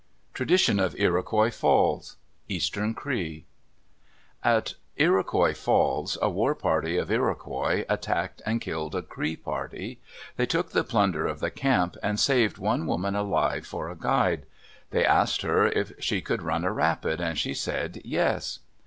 TRADITION OF IROQUOIS FALLS Eastern Cree At Iroquois Falls, a war party of Iroquois attacked and killed a Cree party. They took the plunder of the camp, and saved one woman alive for a guide. They asked her if she could run a rapid, and she said, "Yes."